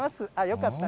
よかった。